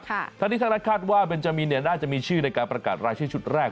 ทั้งนี้ทั้งนั้นคาดว่าเบนจามินเนี่ยน่าจะมีชื่อในการประกาศรายชื่อชุดแรก